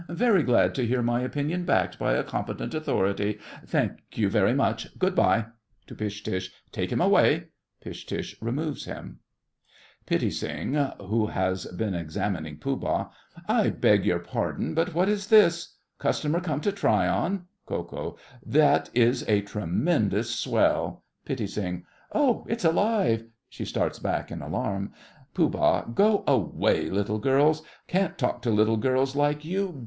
Very glad to hear my opinion backed by a competent authority. Thank you very much. Good bye. (To Pish Tush.) Take him away. (Pish Tush removes him.) PITTI (who has been examining Pooh Bah). I beg your pardon, but what is this? Customer come to try on? KO. That is a Tremendous Swell. PITTI. Oh, it's alive. (She starts back in alarm.) POOH. Go away, little girls. Can't talk to little girls like you.